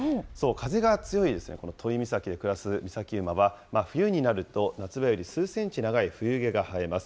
風が強い、この都井岬で暮らす岬馬は、冬になると、夏場より数センチ長い冬毛が生えます。